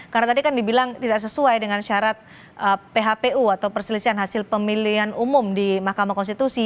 karena tadi kan dibilang tidak sesuai dengan syarat phpu atau perselisihan hasil pemilihan umum di mahkamah konstitusi